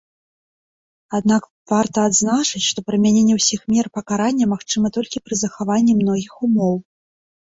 Аднак варта адзначыць, што прымяненне ўсіх мер пакарання магчыма толькі пры захаванні многіх умоў.